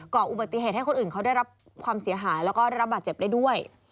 เกาะอุบัติเหตุให้คนอื่นเขาได้รับความเสียหายแล้วก็รับบาดเจ็บได้ด้วย